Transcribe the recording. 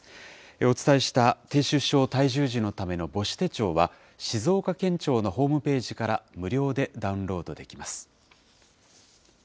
お伝えした低出生体重児のための母子手帳は、静岡県庁のホームページから無料でダウンロードできます。